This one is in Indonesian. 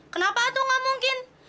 kenapa tuh nggak mungkin